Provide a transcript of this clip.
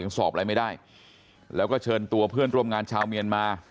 ยังสอบอะไรไม่ได้แล้วก็เชิญเพื่อนโดยงานชาวเมียนมา